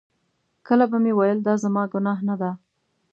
کله به مې ویل دا زما ګناه نه ده.